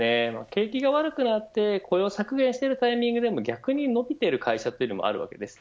景気が悪くなって雇用を削減しているタイミングでも逆に伸びている会社もあるわけです。